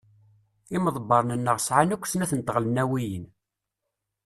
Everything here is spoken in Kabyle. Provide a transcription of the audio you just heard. Imḍebṛen-nneɣ sɛan akk snat n tɣelnawiyin.